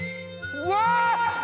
うわ！